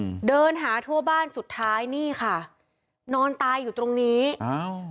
อืมเดินหาทั่วบ้านสุดท้ายนี่ค่ะนอนตายอยู่ตรงนี้อ้าว